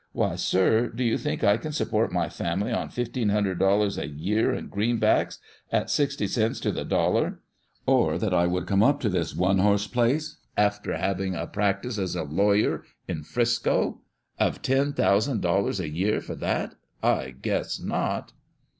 " Why, sir, do you think I can support my family on fifteen hundred dollars a year in freenbacks at sixty cents to the dollar, or that would come up to this one horse place after 464 [October 24, 1868.] ALL THE YEAR ROUND. [Conducted toy having a practice as a lawyer in Fresco* of ten thousand dollars a year, for that ? I guess not